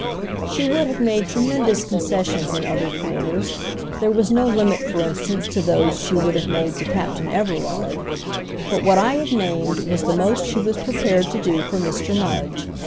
She would have made tremendous concessions in other quarters: there was no limit for instance to those she would have made to Captain Everard; but what I have named was the most she was prepared to do for Mr. Mudge.